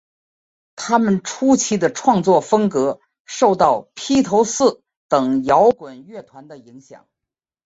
她们初期的创作风格受到披头四等摇滚乐团的影响。